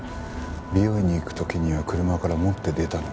美容院に行く時には車から持って出たのに。